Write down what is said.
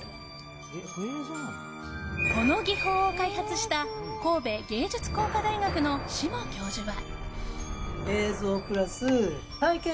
この技法を開発した神戸芸術工科大学の志茂教授は。